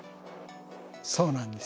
そうなんです。